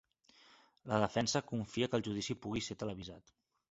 La defensa confia que el judici pugui ser televisat.